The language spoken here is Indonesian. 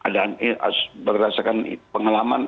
dan berdasarkan pengalaman